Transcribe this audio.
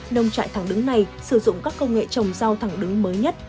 nông trại thẳng đứng này sử dụng các công nghệ trồng rau thẳng đứng mới nhất